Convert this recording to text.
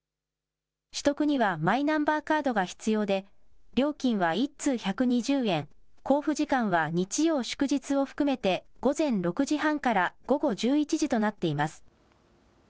取得にはマイナンバーカードが必要で、料金は１通１２０円、交付時間は日曜祝日を含めて、午前６時半から午後１１時となっています。